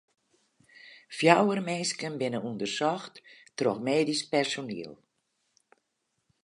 Fjouwer minsken binne ûndersocht troch medysk personiel.